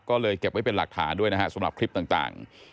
ก็เลยเก็บไว้เป็นหลักฐานด้วยนะฮะสำหรับคลิปต่าง